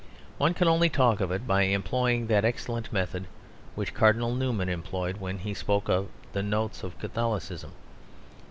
One can only talk of it by employing that excellent method which Cardinal Newman employed when he spoke of the "notes" of Catholicism.